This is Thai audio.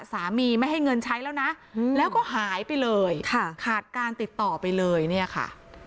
สามีไม่ให้เงินใช้แล้วนะแล้วก็หายไปเลยค่ะขาดการติดต่อไปเลยเนี่ยค่ะ